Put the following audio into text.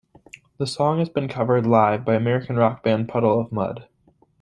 The song has been covered live by American rock band Puddle of Mudd.